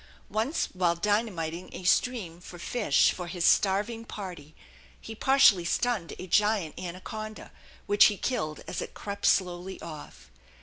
Once while dynamiting a stream for fish for his starving party he partially stunned a giant anaconda, which he killed as it crept slowly off.